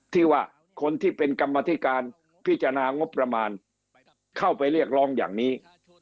ที่ว่าคนที่เป็นกรรมธิการพิจารณางบประมาณเข้าไปเรียกร้องอย่างนี้